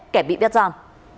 kẻ bị bét giam